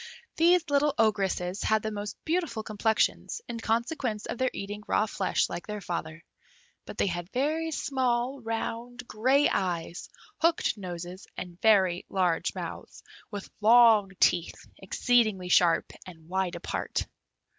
These little Ogresses had the most beautiful complexions, in consequence of their eating raw flesh like their father; but they had very small, round, grey eyes, hooked noses, and very large mouths, with long teeth, exceedingly sharp, and wide apart.